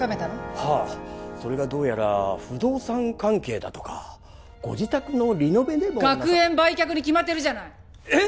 はあそれがどうやら不動産関係だとかご自宅のリノベでも学園売却に決まってるじゃないえっ